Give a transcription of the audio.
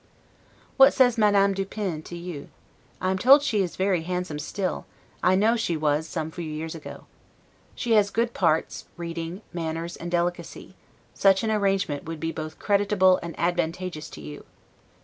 What says Madame du Pin to you? I am told she is very handsome still; I know she was some few years ago. She has good parts, reading, manners, and delicacy: such an arrangement would be both creditable and advantageous to you.